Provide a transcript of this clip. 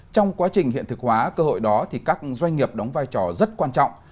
trong quá trình hiện thực hóa cơ hội đó các doanh nghiệp đóng vai trò rất quan trọng